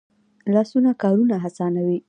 لاسونه کارونه آسانوي